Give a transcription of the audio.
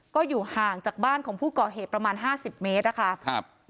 ก็อยู่ห่างจากบ้านของผู้เกาะเหตุประมาณ๕๐เมตรนะคะ